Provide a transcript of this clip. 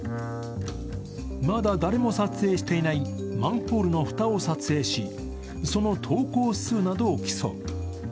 まだ誰も撮影していないマンホールの蓋を撮影し、その投稿数などを競う。